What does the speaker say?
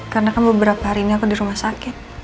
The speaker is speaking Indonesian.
karena kan beberapa hari ini aku di rumah sakit